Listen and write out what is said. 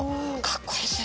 かっこいいです。